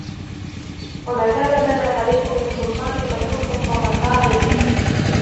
وَمَا كَانَ لَنَا عَلَيْكُمْ مِنْ سُلْطَانٍ بَلْ كُنْتُمْ قَوْمًا طَاغِينَ